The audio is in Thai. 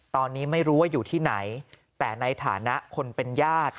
ตอนนี้ไม่รู้ว่าอยู่ที่ไหนแต่ในฐานะคนเป็นญาติ